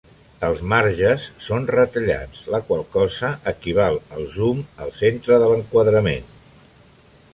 Els marges són retallats, la qual cosa equival al zoom al centre de l'enquadrament.